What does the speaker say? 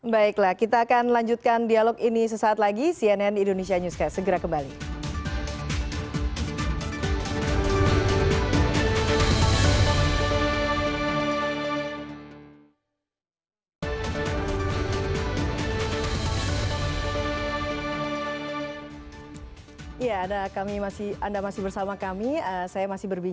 baiklah kita akan lanjutkan dialog ini sesaat lagi